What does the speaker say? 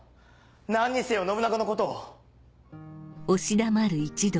何にせよ信長のことを。